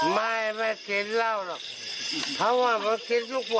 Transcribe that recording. ไม่ไม่กินเหล้าหรอกเขาอ่ะมากินทุกวัน